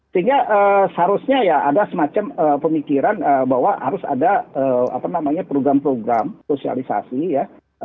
sehingga seharusnya ya ada semacam pemikiran bahwa harus ada program program sosialisasi ya